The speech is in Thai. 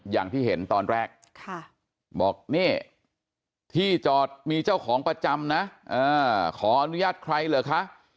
อย่างที่เห็นตอนแรกบอกนี่ที่จอดมีเจ้าของประจำนะขออนุญาตใครเหรอคะ